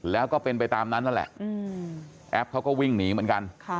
แล้วก็เป็นไปตามนั้นนั่นแหละแอปเขาก็วิ่งหนีเหมือนกัน